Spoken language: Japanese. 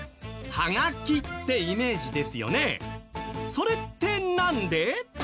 それってなんで？